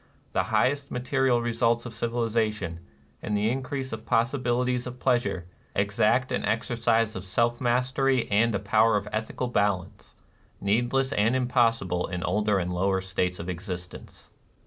The highest material results of civilization, and the increase of possibilities of pleasure, exact an exercise of self mastery and a power of ethical balance, needless and impossible in older and lower states of existence.